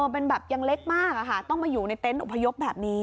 เป็นแบบยังเล็กมากต้องมาอยู่ในเต็นต์อพยพแบบนี้